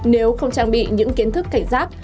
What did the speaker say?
nếu không trang bị những kiến thức cảnh giác